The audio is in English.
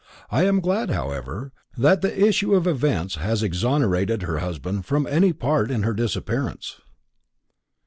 I am glad, however, that the issue of events has exonerated her husband from any part in her disappearance."